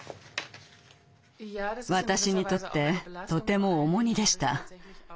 私にとってとても重荷でした。